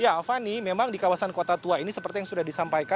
ya fani memang di kawasan kota tua ini seperti yang sudah disampaikan